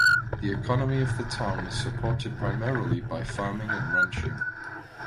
The economy of the town is supported primarily by farming and ranching.